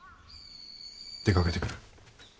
出かけてくる。